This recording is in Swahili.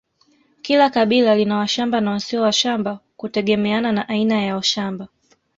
Kila kabila lina washamba na wasio washamba kutegemeana na aina ya ushamba